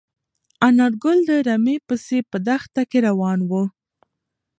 انارګل د رمې پسې په دښته کې روان و.